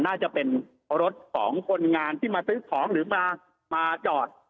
น่าจะเป็นรถของคนงานที่มาซื้อของหรือมาจอด